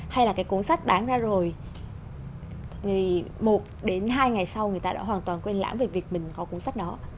hay là cái cuốn sách bán ra rồi một đến hai ngày sau người ta đã hoàn toàn quên lãng về việc mình có cuốn sách đó